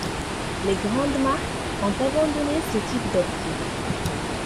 Les grandes marques ont abandonné ce type d'optique.